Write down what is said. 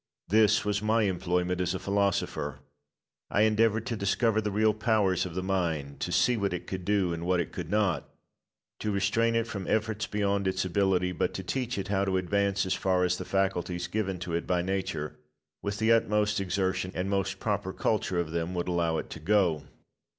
This was my employment as a philosopher. I endeavoured to discover the real powers of the mind; to see what it could do, and what it could not; to restrain it from efforts beyond its ability, but to teach it how to advance as far as the faculties given to it by Nature, with the utmost exertion and most proper culture of them, would allow it to go.